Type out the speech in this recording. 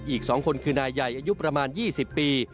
อีก๒คนคือนายใหญ่อายุประมาณ๒๐ปี